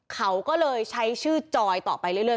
เขาก็เลยใช้ชื่อจอยต่อไปเรื่อย